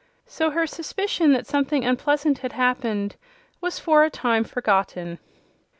So her suspicion that something unpleasant had happened was for a time forgotten.